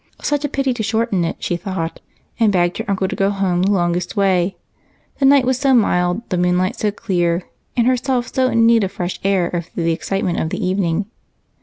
Such a pity to shorten it, she thought, and begged her uncle to go home the longest way the night was so mild, the moonlight so clear, and herself so in need of fresh air after the excitement of the evening.